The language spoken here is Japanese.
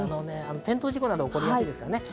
転倒事故などが起こりやすいです。